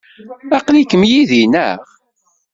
Aql-ikem yid-i, naɣ?